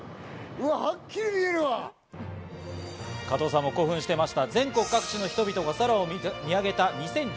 加藤さんも興奮していました全国各地の人々が空を見上げた２０１２年。